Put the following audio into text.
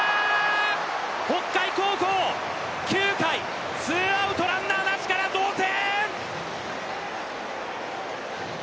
北海高校、９回ツーアウトランナーなしから同点！！